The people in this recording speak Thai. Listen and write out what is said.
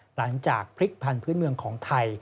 หลังจากพริกพันธุ์เมืองของไทย